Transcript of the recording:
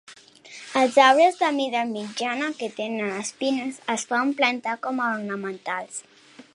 Els arbres de mida mitjana que tenen espines es poden plantar com a ornamentals.